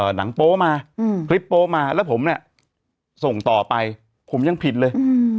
หนังโป๊มาคลิปโป๊มาแล้วผมเนี่ยส่งต่อไปผมยังผิดเลย